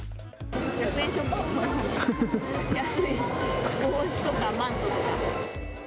１００円ショップの安い帽子とかマントとか。